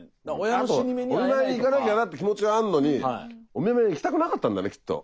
あとお見舞いに行かなきゃなって気持ちはあんのにお見舞いに行きたくなかったんだねきっと。